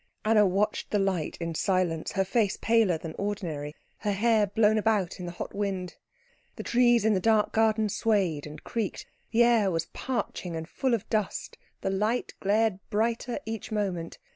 Anna watched the light in silence, her face paler than ordinary, her hair blown about by the hot wind. The trees in the dark garden swayed and creaked, the air was parching and full of dust, the light glared brighter each moment.